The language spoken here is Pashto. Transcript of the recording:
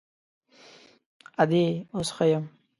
_ادې، اوس ښه يم.